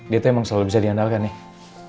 dia tuh emang selalu bisa diandalkan nih